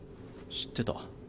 知ってた？